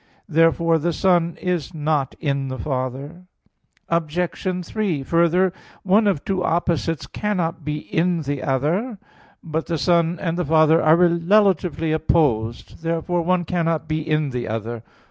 Therefore the Son is not in the Father. Obj. 3: Further, one of two opposites cannot be in the other. But the Son and the Father are relatively opposed. Therefore one cannot be in the other.